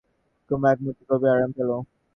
কুমু এক মুহূর্তে গভীর আরাম পেল।